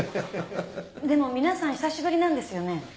でも皆さん久しぶりなんですよね？